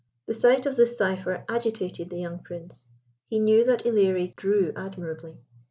The sight of this cipher agitated the young Prince. He knew that Ilerie drew admirably.